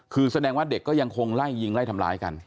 คือแสดงว่าเด็กก็ยังคงไล่ยิงไล่ทำร้ายกัน